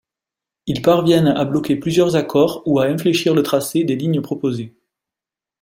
Ils parviennent à bloquer plusieurs accords ou à infléchir le tracé des lignes proposées.